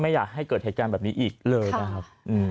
อยากให้เกิดเหตุการณ์แบบนี้อีกเลยนะครับ